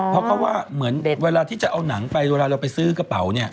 เพราะเขาว่าเหมือนเวลาที่จะเอาหนังไปเวลาเราไปซื้อกระเป๋าเนี่ย